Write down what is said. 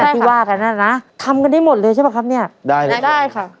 ที่ว่ากันน่ะนะทำกันได้หมดเลยใช่ป่ะครับเนี่ยได้นะได้ค่ะ